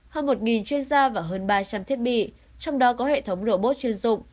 hơn một chuyên gia và hơn ba trăm linh thiết bị trong đó có hệ thống robot chuyên dụng